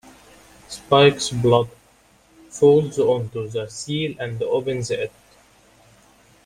Spike's blood falls onto the seal and opens it.